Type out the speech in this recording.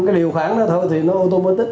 cái điều khoản đó thôi thì nó automatic